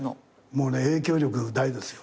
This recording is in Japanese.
もうね影響力大ですよ。